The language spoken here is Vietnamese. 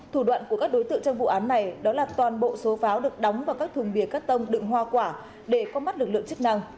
thủ đoạn của các đối tượng trong vụ án này đó là toàn bộ số pháo được đóng vào các thùng bìa cắt tông đựng hoa quả để có mắt lực lượng chức năng